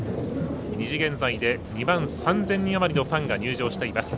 ２時現在で２万３０００人あまりのファンが入場しています。